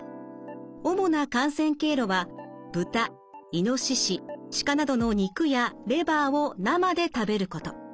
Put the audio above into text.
主な感染経路は豚いのしし鹿などの肉やレバーを生で食べること。